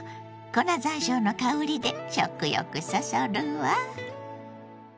粉ざんしょうの香りで食欲そそるわ。